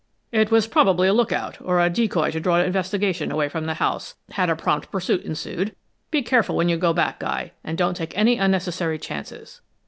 "It was probably a look out, or a decoy to draw investigation away from the house had a prompt pursuit ensued. Be careful when you go back, Guy, and don't take any unnecessary chances."